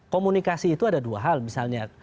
komunikasi itu ada dua hal misalnya